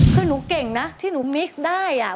คือหนูเก่งนะที่หนูมิกได้